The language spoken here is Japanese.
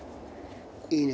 いいね。